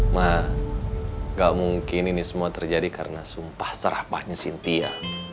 mah gak mungkin ini semua terjadi karena sumpah serapahnya cynthia